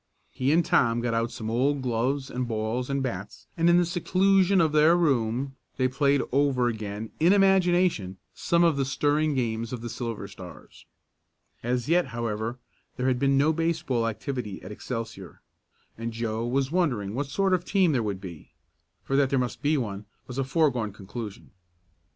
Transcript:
He and Tom got out some old gloves and balls and bats, and in the seclusion of their room they played over again, in imagination, some of the stirring games of the Silver Stars. As yet, however, there had been no baseball activity at Excelsior, and Joe was wondering what sort of team there would be, for that there must be one was a foregone conclusion.